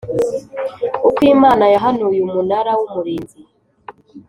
Ukw Imana yahanuye Umunara w Umurinzi